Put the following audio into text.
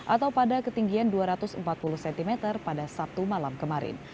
atau pada ketinggian dua ratus empat puluh cm pada sabtu malam kemarin